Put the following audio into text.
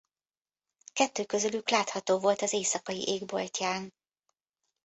Kettő közülük látható volt a éjszakai égboltján.